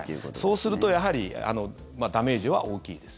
そうするとやはりダメージは大きいです。